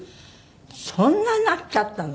そんなになっちゃったの？